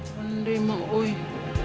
ya ya mungkin